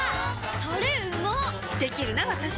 タレうまっできるなわたし！